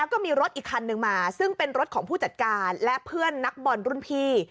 ก็มีรถอีกคันนึงมาซึ่งเป็นรถของผู้จัดการและเพื่อนนักบอลรุ่นพี่